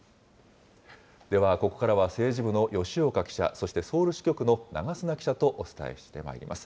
ではここからは政治部の吉岡記者、そしてソウル支局の長砂記者とお伝えしてまいります。